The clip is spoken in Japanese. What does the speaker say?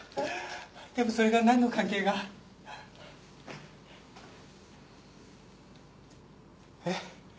でもそれがなんの関係が？えっ？